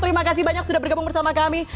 terima kasih banyak sudah bergabung bersama kami